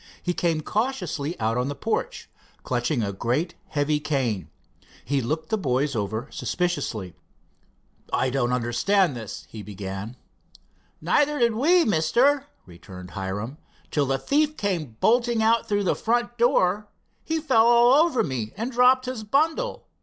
He came cautiously out on the porch, clutching a great heavy cane. He looked the boys over suspiciously. "I don't understand this," he began. "Neither did we, Mister," returned Hiram, "till the thief came bolting out through that front door. He fell all over me and dropped his bundle.